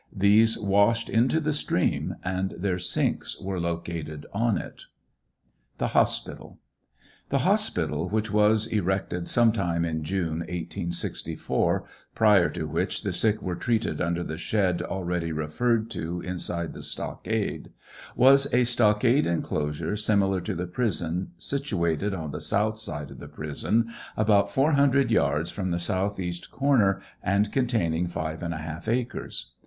These washed into the stream and their sinks were located on it. THE HOSPITAL. The hospital which was erected some time in June, 1864, prior to which the sick were treated under the shed already referred to inside the stockade, was a stockade enclosure similar to the prison, situated on *he south side of the prison, about 400 yards from the southeast corner, and containing five and a half acres.